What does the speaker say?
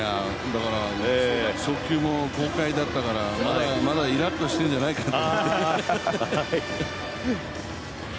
送球も豪快だったから、まだまだイラッとしているんじゃないかな。